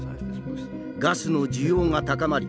ガスの需要が高まり